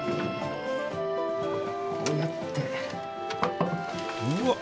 こうやって。